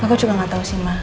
aku juga gak tau sih mak